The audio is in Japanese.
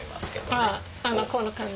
ああこの感じ？